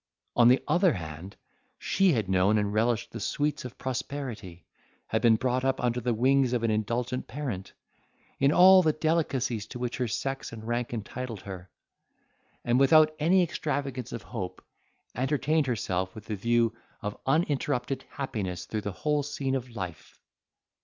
On the other hand, she had known and relished the sweets of prosperity, she had been brought up under the wings of an indulgent parent, in all the delicacies to which her sex and rank entitled her; and without any extravagance of hope, entertained herself with the view of uninterrupted happiness through the whole scene of life.